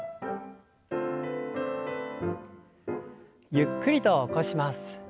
ゆっくりと起こします。